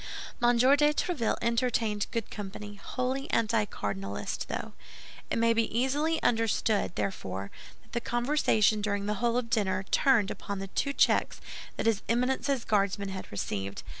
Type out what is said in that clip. M. de Tréville entertained good company, wholly anticardinalist, though. It may easily be understood, therefore, that the conversation during the whole of dinner turned upon the two checks that his Eminence's Guardsmen had received.